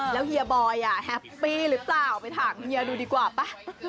แล้วเฮียบอยแฮปปี้หรือเปล่าไปถามเฮียดูดีกว่าป่ะ